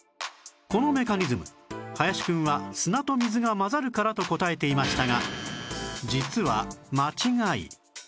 このメカニズム林くんは砂と水が混ざるからと答えていましたが実は間違い